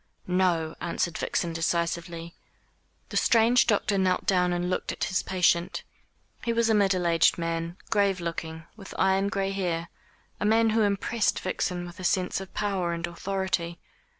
"No," answered Vixen decisively. The strange doctor knelt down and looked at his patient. He was a middle aged man, grave looking, with iron gray hair a man who impressed Vixen with a sense of power and authority.